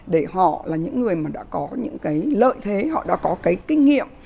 để họ là những người mà đã có những cái lợi thế họ đã có cái kinh nghiệm